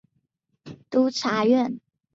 官至都察院右都御史。